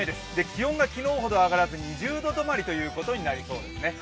気温が昨日ほど上がらず２０度止まりということになりそうですね。